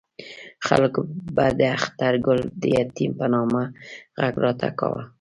خلکو به د اخترګل د یتیم په نامه غږ راته کاوه.